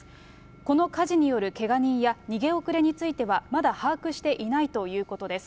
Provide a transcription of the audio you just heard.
この火事によるけが人や逃げ遅れについては、まだ把握していないということです。